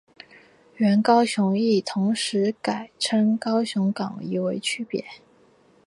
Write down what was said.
原高雄驿同时改称高雄港以为区别。